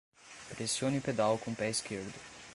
Pressione o pedal com o pé esquerdo.